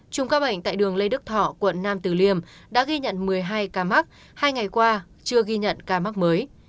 một mươi ba trung ca bệnh tại đường lê đức thọ quận nam từ liêm đã ghi nhận một mươi hai ca mắc hai ngày qua chưa ghi nhận ca mắc mới